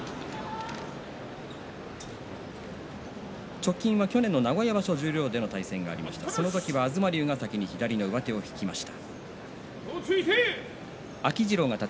直近は去年の名古屋場所で対戦がありましてその時は東龍が先に上手を引きました。